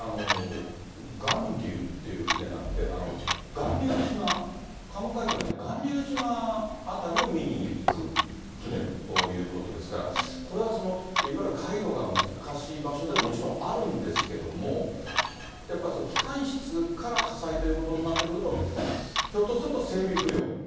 がんりゅうっていう船なんで、巌流島、関門海峡なんで、巌流島辺りを見にいく船ということですから、これはいわゆる海路が難しい場所ではもちろんあるんですけれども、やっぱり機関室から火災ということになってくると、そうですね。